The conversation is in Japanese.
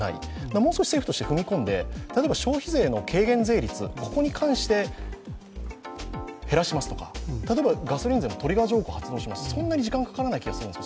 もう少し政府として踏み込んで、例えば消費税の軽減税率、ここに関して、減らしますとか、ガソリン税もトリガー条項発動します、そんなに時間がかからないと思います。